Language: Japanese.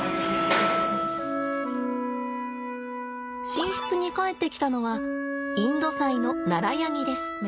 寝室に帰ってきたのはインドサイのナラヤニです。